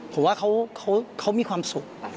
ผมว่าเขามีความสุข